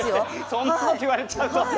そんなこと言われちゃうと。